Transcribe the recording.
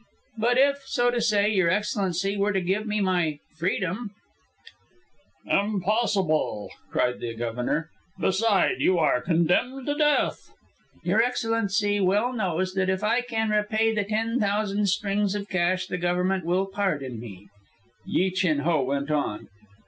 But if, so to say, Your Excellency were to give me my freedom " "Impossible!" cried the Governor. "Beside, you are condemned to death." "Your Excellency well knows that if I can repay the ten thousand strings of cash, the Government will pardon me," Yi Chin Ho went on.